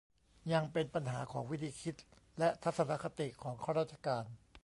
ยังเป็นปัญหาของวิธีคิด และทัศนคติ ของข้าราชการ